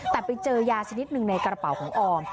แต่ไปเจอยาชนิดหนึ่งในกระเป๋าของออม